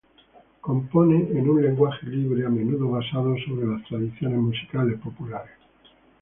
Compone en un lenguaje libre, a menudo basado sobre las tradiciones musicales populares.